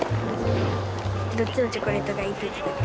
どっちのチョコレートがいいって言ってた？